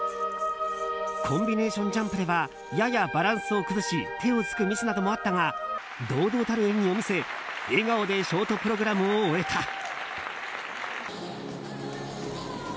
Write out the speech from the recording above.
コンビネーションジャンプではややバランスを崩し手をつくミスなどもあったが堂々たる演技を見せ笑顔でショートプログラムを終えた。